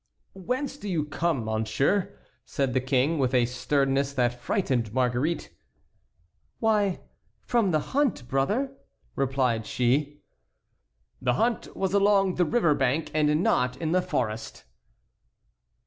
"Whence do you come, monsieur?" said the King, with a sternness that frightened Marguerite. "Why, from the hunt, brother," replied she. "The hunt was along the river bank, and not in the forest."